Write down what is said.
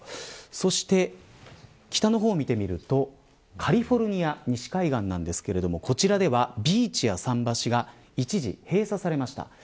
そして、北の方を見てみるとカリフォルニア西海岸ですがこちらではビーチや桟橋が一時、閉鎖されました。